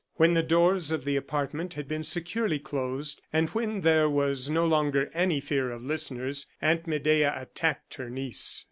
When the doors of the apartment had been securely closed, and when there was no longer any fear of listeners, Aunt Medea attacked her niece.